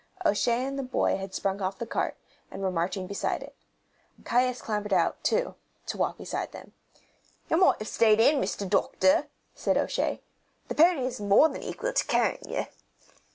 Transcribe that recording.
O'Shea and the boy had sprung off the cart, and were marching beside it. Caius clambered out, too, to walk beside them. "Ye moight have stayed in, Mr. Doctor," said O'Shea. "The pony is more than equal to carrying ye."